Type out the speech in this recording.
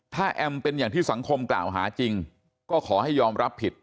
ถ้าแอมเป็นอย่างที่สังคมกล่าวหาจริงก็ขอให้ยอมรับผิด